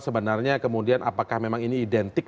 sebenarnya kemudian apakah memang ini identik